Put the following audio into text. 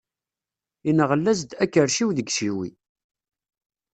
Inɣel-as-d, akerciw deg iciwi.